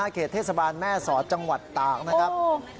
เขตเทศบาลแม่สอดจังหวัดตากนะครับ